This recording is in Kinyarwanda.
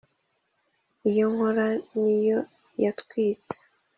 iyo nkora ni yo yatwitse